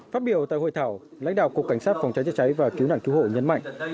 phát biểu tại hội thảo lãnh đạo cục cảnh sát phòng cháy chữa cháy và cứu nạn cứu hộ nhấn mạnh